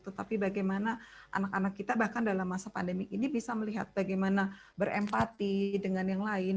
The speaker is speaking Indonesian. tetapi bagaimana anak anak kita bahkan dalam masa pandemi ini bisa melihat bagaimana berempati dengan yang lain